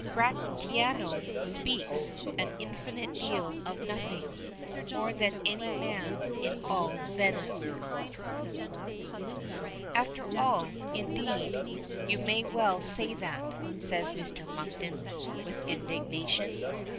"Gratiano speaks an infinite deal of nothing, more than any man in all Venice." "After all, indeed; you may well say that," says Mr. Monkton, with indignation.